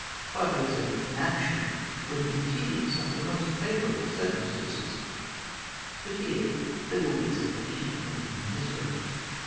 Five weeks of inaction would have been tedious under the most favourable circumstances ; but here they were weeks of accumulated misery.'